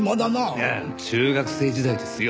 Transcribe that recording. いや中学生時代ですよ。